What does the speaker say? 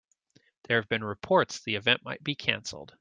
There have been reports the event might be canceled.